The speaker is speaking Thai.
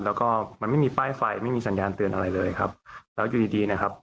แล้วก็มันไม่มีป้ายไฟไม่มีสัญญาณเตือนอะไรเลยครับแล้วอยู่ดีดีนะครับ